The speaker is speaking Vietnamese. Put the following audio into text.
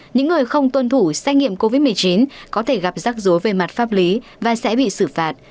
những người không tuân thủ xét nghiệm covid một mươi chín có thể gặp rắc rối về mặt pháp lý và sẽ bị xử phạt